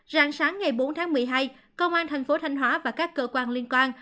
rạng sáng ngày bốn tháng một mươi hai công an thành phố thanh hóa và các cơ quan liên quan